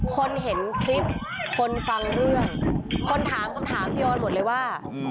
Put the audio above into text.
คนเห็นคลิปคนฟังเรื่องคนถามที่ยอดหมดเลยว่า